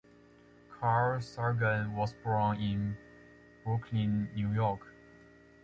Carl Sagan was born in Brooklyn, New York.